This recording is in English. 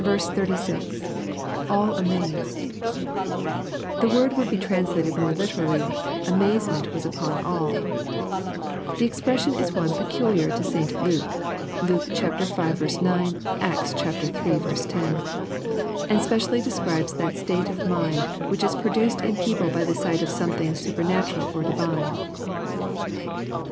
— [AM amazed,] The word would be translated more literally, " amazement was upon all" The expression is one peculiar to St^ Luke, (Luke v. 9 ; Acts iii. 10,) and specially describes that state of mind which is produced in people by the sight of something supernatural or divine.